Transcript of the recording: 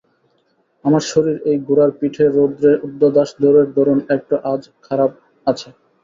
আমার শরীর এই ঘোড়ার পিঠে রৌদ্রে ঊর্ধ্বশ্বাস দৌড়ের দরুন একটু আজ খারাপ আছে।